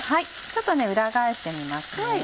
ちょっと裏返してみます。